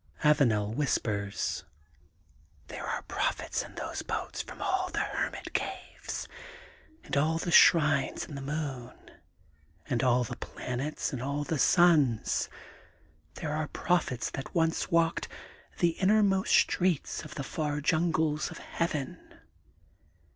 Avanel whispers: *^ There are proph ets in those boats from all the hermit caves and all the shrines in the moon and all the planets and all the suns. There are prophets that once walked the innermost streets of the far jungles of Heaven.